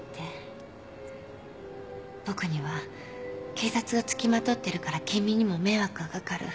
「僕には警察が付きまとってるから君にも迷惑が掛かる」